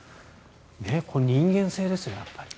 人間性ですよね、やっぱり。